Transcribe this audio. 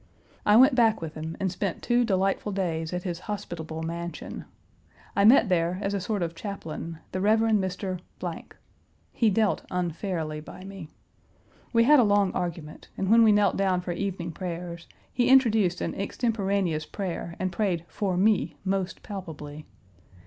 I went back with him and spent two delightful days at his hospitable mansion. I met there, as a sort of chaplain, the Rev. Mr. . He dealt unfairly by me. We had a long argument, and when we knelt down for evening prayers, he introduced an extemporaneous prayer and prayed for me most palpably.